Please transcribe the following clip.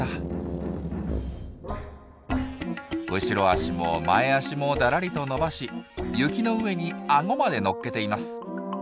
後ろ足も前足もだらりと伸ばし雪の上にアゴまで乗っけています。